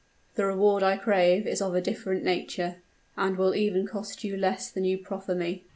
The reward I crave is of a different nature, and will even cost you less than you proffer me."